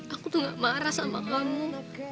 aku tuh gak marah sama kamu